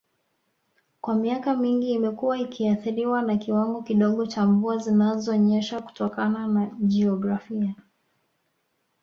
Kwa miaka mingi imekuwa ikiathiriwa na kiwango kidogo cha mvua zinazonyesha kutokana na jiografia